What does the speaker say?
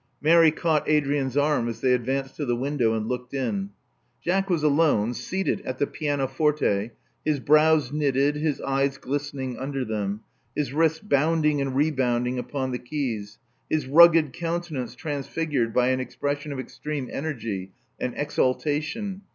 Mary caught Adrian's arm as they advanced to the window and looked in. Jack was alone, seated at the pianoforte, his brows knitted, his eyes glisten ing under them, his wrists bounding and rebounding upon the keys, his rugged countenance transfigured by an expression of extreme energy and exaltation.